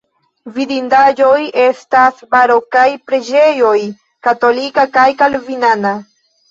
Vidindaĵoj estas barokaj preĝejoj katolika kaj kalvinana.